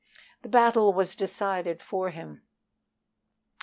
The battle was decided for him.